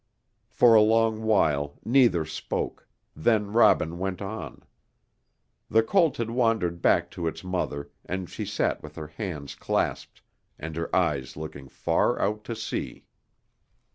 For a long while neither spoke, then Robin went on. The colt had wandered back to its mother, and she sat with her hands clasped, and her eyes looking far out to sea.